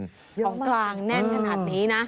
เยอะมากของกลางแน่นขนาดนี้นะ